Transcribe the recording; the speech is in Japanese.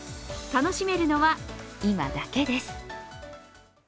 楽しめるのは今だけです。